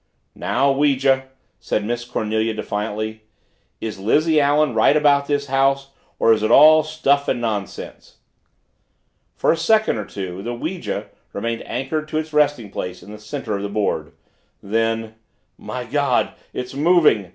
"Now, Ouija," said Miss Cornelia defiantly, "is Lizzie Allen right about this house or is it all stuff and nonsense?" For one second two the ouija remained anchored to its resting place in the center of the board. Then "My Gawd! It's moving!"